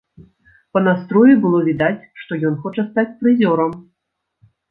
Па настроі было відаць, што ён хоча стаць прызёрам.